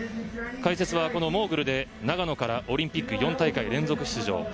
解説は、モーグルで長野からオリンピック４大会連続出場